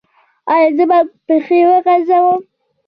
ایا زه باید پښې وغځوم؟